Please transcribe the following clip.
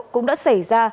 cũng đã xảy ra